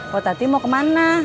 potati mau kemana